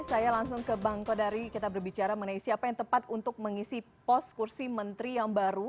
saya langsung ke bang kodari kita berbicara mengenai siapa yang tepat untuk mengisi pos kursi menteri yang baru